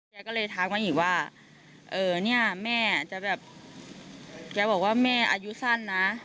จะเลยถ้างักอีกว่าเออเนี้ยแม่จะแบบแกบอกว่าแม่อายุสั้นนะ